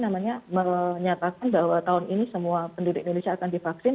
menyatakan bahwa tahun ini semua penduduk indonesia akan divaksin